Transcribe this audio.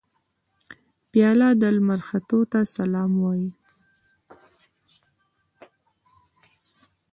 پیاله د لمر ختو ته سلام وايي.